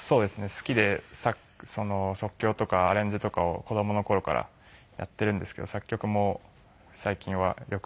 好きで即興とかアレンジとかを子供の頃からやっているんですけど作曲も最近はよくしていて。